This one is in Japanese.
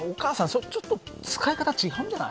それちょっと使い方違うんじゃない？